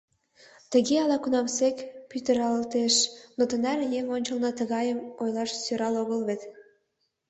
Тыге ала-кунамсек пӱтыралтеш, но тынар еҥ ончылно тыгайым ойлаш сӧрал огыл вет.